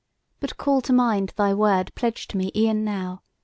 But call to mind thy word pledged to me e'en now!